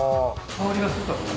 香りがするかと。